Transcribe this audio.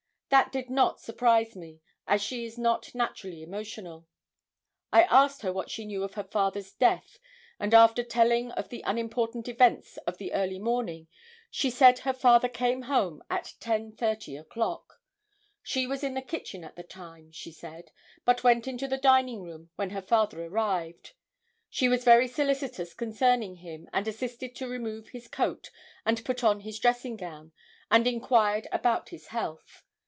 That did not surprise me, as she is not naturally emotional. I asked her what she knew of her father's death and after telling of the unimportant events of the early morning she said her father came home at 10:30 o'clock. She was in the kitchen at the time, she said, but went into the sitting room when her father arrived. She was very solicitous concerning him and assisted to remove his coat and put on his dressing gown and inquired about his health.